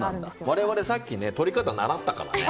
我々、さっき撮り方習ったからね。